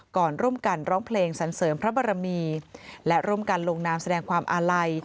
ก่อนร่วมกันร้องเพลงสันเสริมพระบรมีและร่วมกันลงนามแสดงความอาลัย